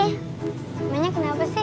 sebenernya kenapa sih